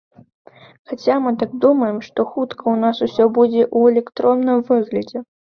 Хаця мы так думаем, што хутка ў нас усё будзе ў электронным выглядзе.